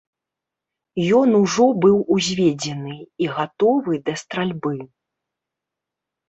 Ён ужо быў узведзены і гатовы да стральбы.